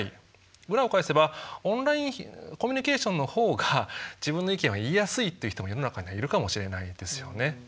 裏を返せばオンラインコミュニケーションの方が自分の意見は言いやすいっていう人も世の中にはいるかもしれないですよね。